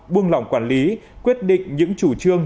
buông lỏng quản lý quyết định những chủ trương